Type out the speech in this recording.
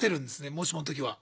もしものときは。